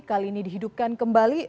kali ini dihidupkan kembali